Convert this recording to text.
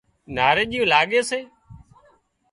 ناريڄي لاڳي سي